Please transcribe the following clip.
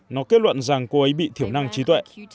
nó kết luận rằng cô ấy bị thiểu năng trí tuệ